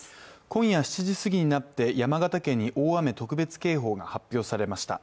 今夜７時すぎになって山形県に大雨特別警報が発表されました。